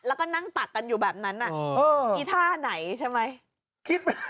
แล้วก็นั่งตักกันอยู่แบบนั้นอีท่าไหนใช่ไหม